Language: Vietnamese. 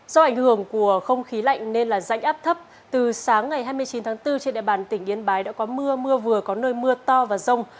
do ảnh hưởng của không khí lạnh nên là rãnh áp thấp từ sáng ngày hai mươi chín tháng bốn trên địa bàn tỉnh yên bái đã có mưa mưa vừa có nơi mưa to và rông